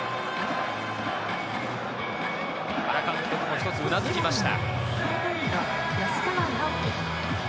原監督も一つうなずきました。